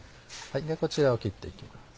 ではこちらを切っていきます。